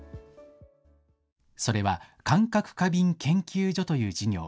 それは感覚過敏研究所という事業。